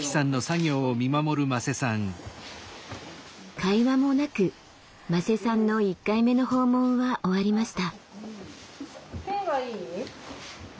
会話もなく馬瀬さんの１回目の訪問は終わりました。